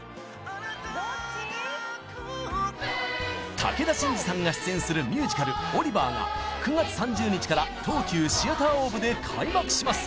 武田真治さんが出演するミュージカル「オリバー！」が９月３０日から東急シアターオーブで開幕します